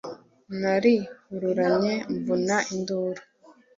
narihururanye mvuna induru